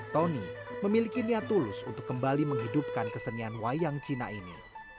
tony memiliki niat tulus untuk kembali menghidupkan kesenian wayang cina ini